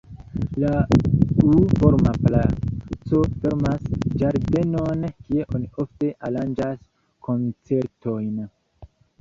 La U-forma palaco fermas ĝardenon, kie oni ofte aranĝas koncertojn.